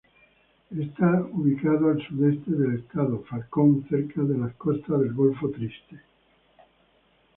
Está ubicado al sudeste del Estado Falcón cerca de las costas del Golfo Triste.